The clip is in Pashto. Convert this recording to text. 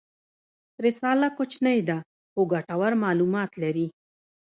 رساله کوچنۍ ده خو ګټور معلومات لري.